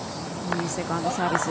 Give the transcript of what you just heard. いいセカンドサービス。